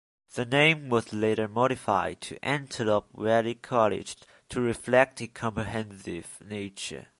The name was later modified to Antelope Valley College to reflect it comprehensive nature.